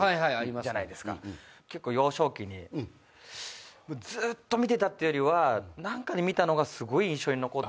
結構幼少期にずっと見てたっていうよりは何かで見たのがすごい印象に残ってて。